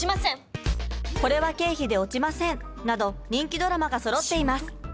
「これは経費で落ちません！」など人気ドラマがそろっています